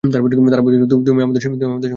তারা বলেছিল, তুমি কি আমাদের সঙ্গে ঠাট্টা করছ?